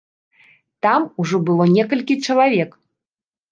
Там ужо было некалькі чалавек.